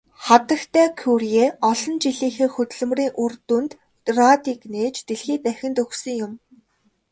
Хатагтай Кюре олон жилийнхээ хөдөлмөрийн үр дүнд радийг нээж дэлхий дахинд өгсөн юм.